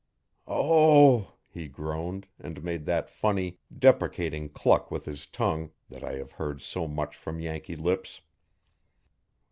'Oh!' he groaned, and made that funny, deprecating cluck with his tongue, that I have heard so much from Yankee lips.